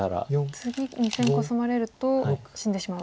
次２線コスまれると死んでしまう。